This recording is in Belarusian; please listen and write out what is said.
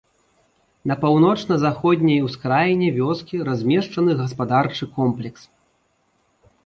На паўночна-заходняй ускраіне вёскі размешчаны гаспадарчы комплекс.